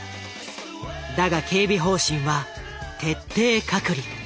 だが警備方針は徹底隔離。